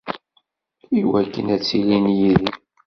Iwakken ad ttilin yid-i.